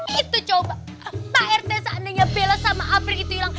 itu coba pak rete seandainya bella sama afri itu ilang